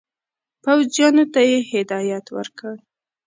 پوځیانو ته یې هدایت ورکړ.